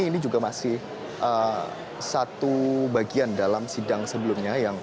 ini juga masih satu bagian dalam sidang sebelumnya